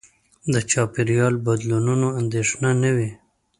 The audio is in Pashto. د چاپېریال بدلونونو اندېښنه نه وي.